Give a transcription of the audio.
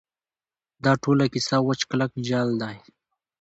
دا ټوله کیسه وچ کلک جعل دی.